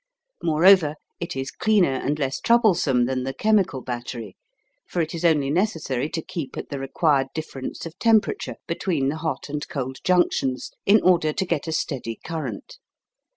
Moreover, it is cleaner and less troublesome than the chemical battery, for it is only necessary to keep at the required difference of temperature between the hot and cold junctions in order to get a steady current.